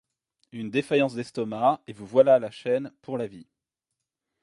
Une défaillance d’estomac, et vous voilà à la chaîne pour la vie!